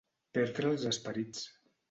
Perdre els esperits.